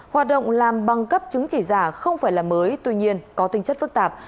hoạt động làm băng cấp chứng chỉ giả không phải là mới tuy nhiên có tinh chất phức tạp